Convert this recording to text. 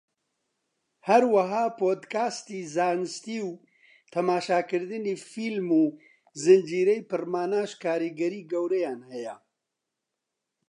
هەروەها پۆدکاستی زانستی و تەماشاکردنی فیلم و زنجیرەی پڕماناش کاریگەری گەورەیان هەیە